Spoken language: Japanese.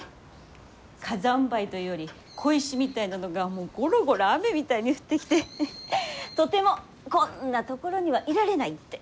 火山灰というより小石みたいなのがもうゴロゴロ雨みたいに降ってきてとてもこんなところにはいられないって。